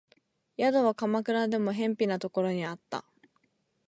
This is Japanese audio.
宿は鎌倉でも辺鄙なところにあった